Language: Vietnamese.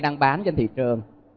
đang bán trên thị trường